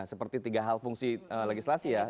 seperti tiga hal fungsi legislasi ya